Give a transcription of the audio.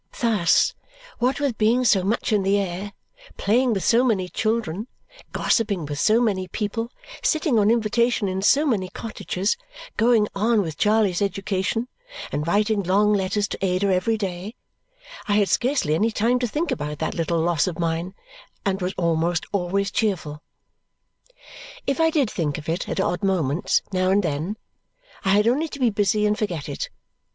Thus, what with being so much in the air, playing with so many children, gossiping with so many people, sitting on invitation in so many cottages, going on with Charley's education, and writing long letters to Ada every day, I had scarcely any time to think about that little loss of mine and was almost always cheerful. If I did think of it at odd moments now and then, I had only to be busy and forget it.